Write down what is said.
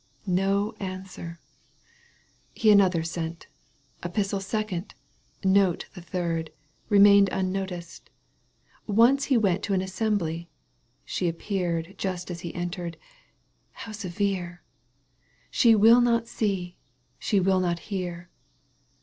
No answer ! He another sent. Epistle second, note the third, Eemained unnoticed. Once he went To an assembly — she appeared Just as he entered. How severe ! She wiU not see, she will not hear.